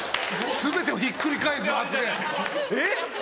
全てをひっくり返す発言えっ？